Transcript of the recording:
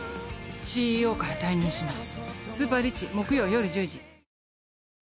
ＣＥＯから退任します。